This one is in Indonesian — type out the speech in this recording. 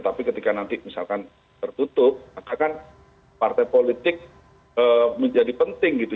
tapi ketika nanti misalkan tertutup maka kan partai politik menjadi penting gitu